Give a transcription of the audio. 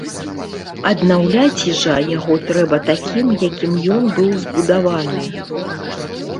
Аднаўляць жа яго трэба такім, якім ён быў збудаваны.